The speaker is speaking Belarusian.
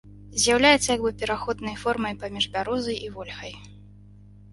З'яўляецца як бы пераходнай формай паміж бярозай і вольхай.